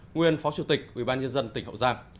nguyên phó chủ tịch ủy ban nhân dân tỉnh hậu giang